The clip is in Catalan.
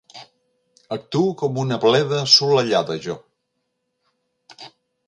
Actuo com una bleda assolellada, jo.